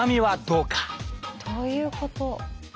どういうこと？